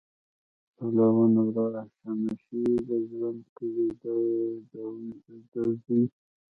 پلونه را شنه شي، د ژرند ګړی د زوی